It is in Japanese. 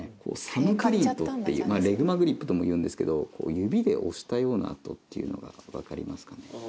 サムプリントっていうレグマグリップともいうんですけど指で押したような跡っていうのが分かりますかねああ